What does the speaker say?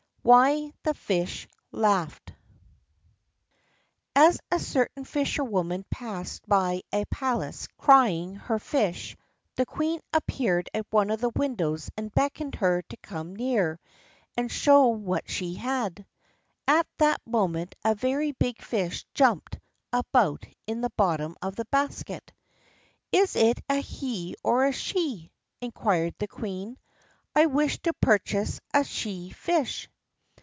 Why the Fish Laughed As a certain fisherwoman passed by a palace crying her fish, the queen appeared at one of the windows and beckoned her to come near and show what she had. At that moment a very big fish jumped about in the bottom of the basket. "Is it a he or a she?" inquired the queen. "I wish to purchase a she fish."